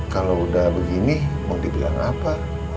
kalau udah begini mau dibilang apa